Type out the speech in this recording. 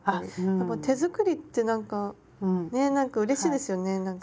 やっぱ手作りってなんかねなんかうれしいですよねなんか。